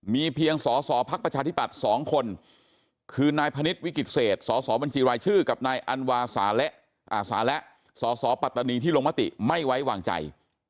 มีเพียงสอสอพักประชาธิปัตย์๒คนคือนายพนิษฐวิกิจเศษสสบัญชีรายชื่อกับนายอันวาสาระสสปัตตานีที่ลงมติไม่ไว้วางใจ